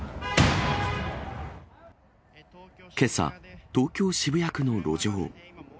けさ、東京・渋谷区の路上。